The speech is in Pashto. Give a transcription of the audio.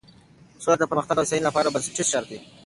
سوله د پرمختګ او هوساینې لپاره بنسټیز شرط دی.